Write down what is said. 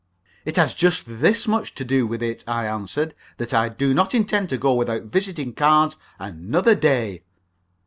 "It has just this much to do with it," I answered: "that I do not intend to go without visiting cards another day!"